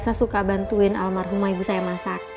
saya suka bantuin almarhum ibu saya masak